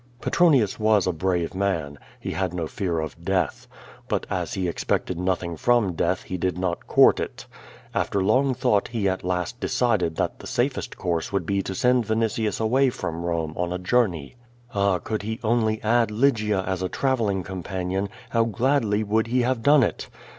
Petronius was a brave man. He had no fear of death. But as he expected nothing from death he did not court it. After long thouglit he at last decided that' the safest course would be to send Vinitius away from Rome on a journey. Ah, could he only add Lygia as a traveling companion, how gladly would he have done it!